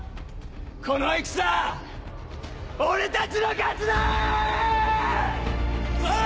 この戦俺たちの勝ちだ‼うわ！